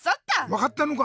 わかったのか？